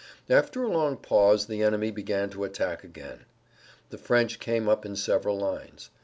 After a long pause the enemy began to attack again. The French came up in several lines.